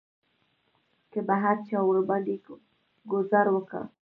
که به هر چا ورباندې ګوزار وکړ.